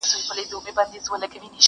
کورنۍ پرېکړه کوي د شرم له پاره.